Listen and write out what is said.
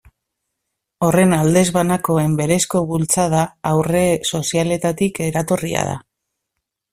Horren aldez banakoen berezko bultzada aurre-sozialetatik eratorria da.